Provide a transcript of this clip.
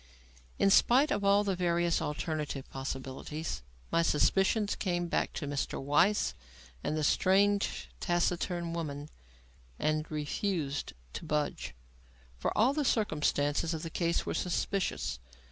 In spite of all the various alternative possibilities, my suspicions came back to Mr. Weiss and the strange, taciturn woman, and refused to budge. For all the circumstances of the case were suspicious.